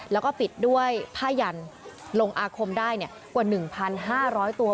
แล้วก็ปิดด้วยผ้ายันลงอาคมได้กว่า๑๕๐๐ตัว